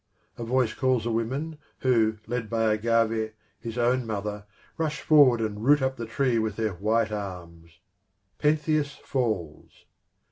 A voice calls the women, who, led by Agave, his own mother, rush forward and root up the tree with their white arms. Pentheus falls.